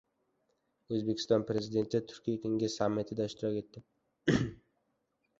O‘zbekiston Prezidenti Turkiy kengash sammitida ishtirok etdi